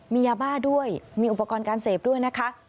มียาบ้าด้วยมีอุปกรณ์การเสพด้วยนะคะ